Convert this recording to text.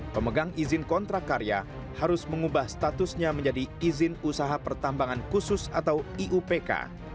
pemegang izin kontrak karya harus mengubah statusnya menjadi izin usaha pertambangan khusus atau iupk